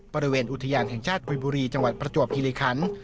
บริเวณอุทยานแห่งชาติกุยบุรีจังหวัดประจวบคิริคัน